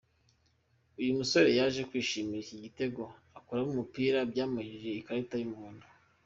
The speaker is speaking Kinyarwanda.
Uyu musore yaje kwishimira iki gitego akuramo umupira byamuhesheje ikarita y’umuhondo.